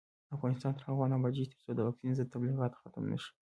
افغانستان تر هغو نه ابادیږي، ترڅو د واکسین ضد تبلیغات ختم نشي.